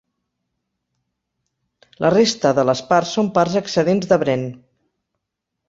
La resta de les parts són parts excedents de Bren.